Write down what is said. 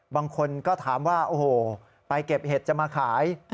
บางคนก็ถามว่าโอ้โหไปเก็บเห็ดจะมาขาย